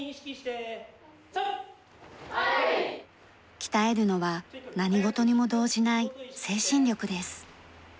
鍛えるのは何事にも動じない精神力です。